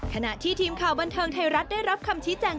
ขณะที่ทีมข่าวบันเทิงไทยรัฐได้รับคำชี้แจง